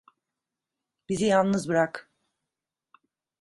Bizi yalnız bırak.